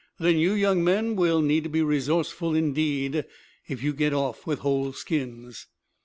Then you young men will need to be resourceful, indeed, if you get off with whole skins."